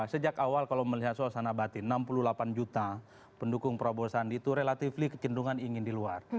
sejak awal kalau melihat suasana batin enam puluh delapan juta pendukung prabowo sandi itu relatifly kecenderungan ingin di luar